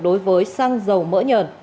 đối với xăng dầu mỡ nhờn